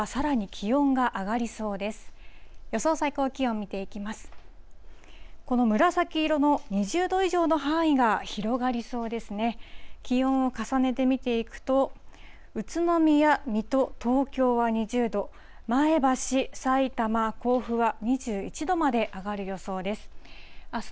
気温を重ねて見ていくと、宇都宮、水戸、東京は２０度、前橋、さいたま、甲府は２１度まで上がる予想です。